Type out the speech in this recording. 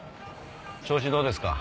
調子どうですか？